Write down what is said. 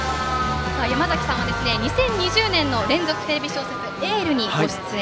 山崎さんは２０２０年の連続テレビ小説「エール」にご出演。